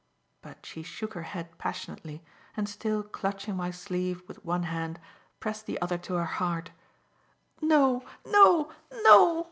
But she shook her head passionately, and, still clutching my sleeve with one hand, pressed the other to her heart. "No, no, no!"